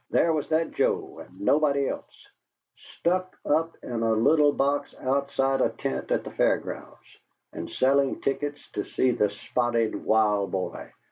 "There was that Joe, and nobody else, stuck up in a little box outside a tent at the Fair Grounds, and sellin' tickets to see the Spotted Wild Boy!"